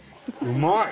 うまい！